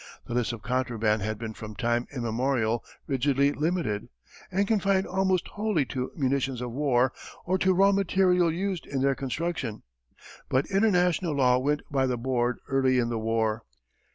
The list of contraband had been from time immemorial rigidly limited, and confined almost wholly to munitions of war, or to raw material used in their construction. But international law went by the board early in the war.